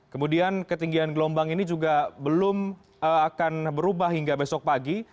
kemudian ketinggian gelombang ini juga belum akan berubah hingga besok pagi